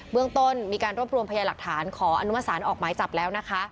เรื่องต้นมีการรวบรวมพยาหลักฐานขออนุมสารออกหมายจับแล้วนะคะ